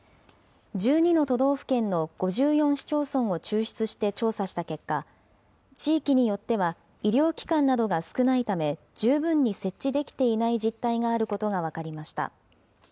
１２の都道府県の５４市町村を抽出して調査した結果、地域によっては医療機関などが少ないため、十分に設置できていない実態があることが分かりました。